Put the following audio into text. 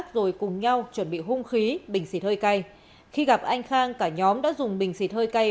rồi cùng nhau chuẩn bị hung khí bình xịt hơi cay khi gặp anh khang cả nhóm đã dùng bình xịt hơi cay